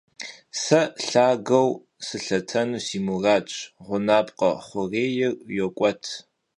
Se lhageu sılhetenu si muradş — ğunapkhe xhurêyr yok'uet.